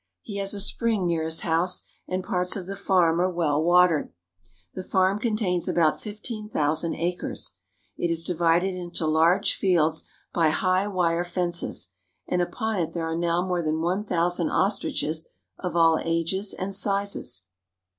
He has a spring near his house, and parts of the farm are well watered. The farm contains about fifteen thousand acres. It is divided into large fields by high wire fences, and upon it there are now more than one thousand ostriches of all ages and sizes.